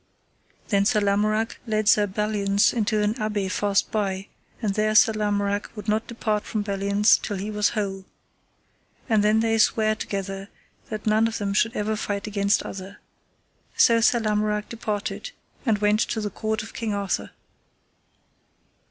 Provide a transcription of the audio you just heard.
Then Sir Lamorak led Sir Belliance to an abbey fast by, and there Sir Lamorak would not depart from Belliance till he was whole. And then they sware together that none of them should never fight against other. So Sir Lamorak departed and went to the court of King Arthur.